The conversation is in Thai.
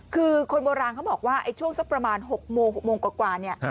คือคนโบราณเขาบอกว่าช่วงสักประมาณ๖โมง๖โมงกว่าเนี่ย